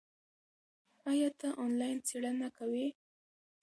ایا ته آنلاین څېړنه کوې؟